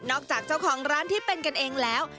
จากเจ้าของร้านที่เป็นกันเองแล้ว